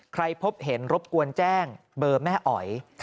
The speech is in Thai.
พบเห็นรบกวนแจ้งเบอร์แม่อ๋อย